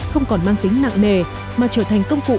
không còn mang tính nặng nề mà trở thành công cụ